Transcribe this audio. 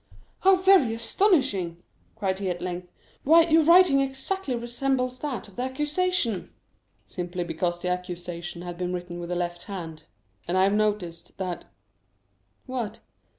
"How very astonishing!" cried he at length. "Why your writing exactly resembles that of the accusation." "Simply because that accusation had been written with the left hand; and I have noticed that——" "What?"